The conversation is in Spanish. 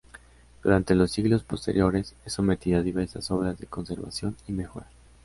Durante los siglos posteriores es sometida a diversas obras de conservación y mejora.